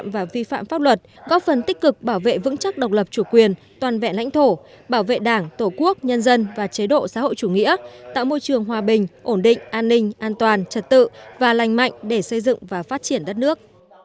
và vi phạm pháp luật góp phần tích cực bảo vệ vững chắc độc lập chủ quyền toàn vẹn lãnh thổ bảo vệ đảng tổ quốc nhân dân và chế độ xã hội chủ nghĩa tạo môi trường hòa bình ổn định an ninh an toàn trật tự và lành mạnh để xây dựng và phát triển đất nước